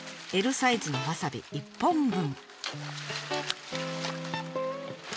Ｌサイズのわさび１本分。